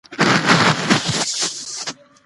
ژوند د هیلو او هڅو تر منځ توازن غواړي.